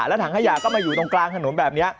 แล้วถังขยะก็มาอยู่ตรงกลางถนนแบบนี้